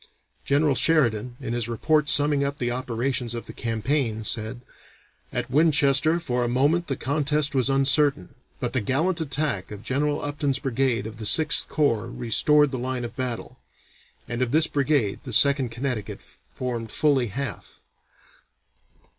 General Sheridan, in his report summing up the operations of the campaign, said: "At Winchester for a moment the contest was uncertain, but the gallant attack of General Upton's brigade of the Sixth Corps restored the line of battle," and of this brigade the Second Connecticut formed fully half.